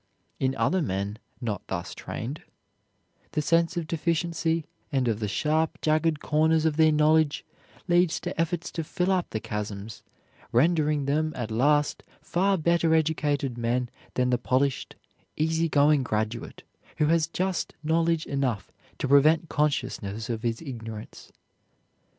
In other men not thus trained, the sense of deficiency and of the sharp, jagged corners of their knowledge leads to efforts to fill up the chasms, rendering them at last far better educated men than the polished, easy going graduate who has just knowledge enough to prevent consciousness of his ignorance.